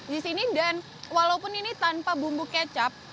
disini dan walaupun ini tanpa bumbu kecap